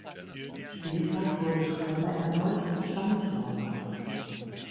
Spieltag wurde Schreiber erneut Stammtortwart.